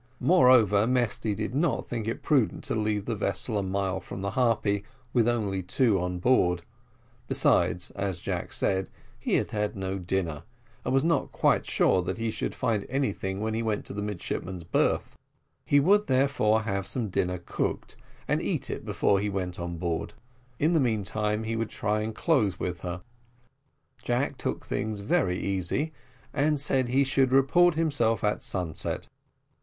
Moreover, Mesty did not think it prudent to leave the vessel a mile from the Harpy with only two on board; besides, as Jack said, he had had no dinner, and was not quite sure that he should find anything to eat when he went into the midshipmen's berth; he would therefore have some dinner cooked, and eat it before he went on board in the meantime, they would try and close with her. Jack took things always very easy, and he said he should report himself at sunset.